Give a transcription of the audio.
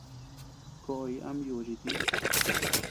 Koʼoy ama yuchii tï.